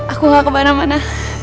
aku gak kemana mana